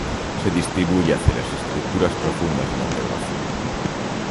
Se distribuye hacia las estructuras profundas del antebrazo.